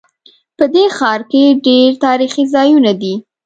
په دې ښار کې ډېر تاریخي ځایونه دي